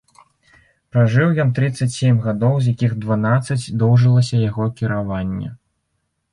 Пражыў ён трыццаць сем гадоў, з якіх дванаццаць доўжылася яго кіраванне.